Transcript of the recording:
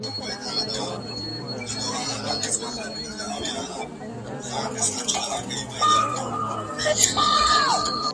شا و خوا د تورو کاڼو کار و بار دی،